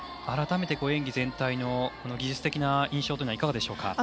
あらためて演技全体の技術的な印象はいかがですか。